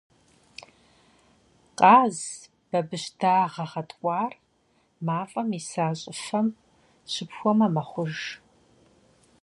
Къаз, бабыщ дагъэ гъэткӀуар мафӀэм иса щӀыфэм щыпхуэмэ мэхъуж.